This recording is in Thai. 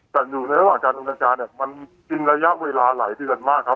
แต่อยู่ในระหว่างจำเนินการเนี่ยมันจึงระยะเวลาไหลที่กันมากครับ